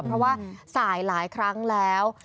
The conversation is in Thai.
เพราะว่าสายหลายครั้งแล้ว